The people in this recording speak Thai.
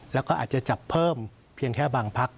แล้วก็อาจจะจับเพิ่มเพียงแค่บางพัก